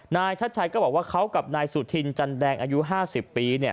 ชัดชัยก็บอกว่าเขากับนายสุธินจันแดงอายุ๕๐ปี